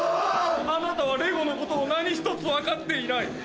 あなたはレゴのことを何一つ分かっていない。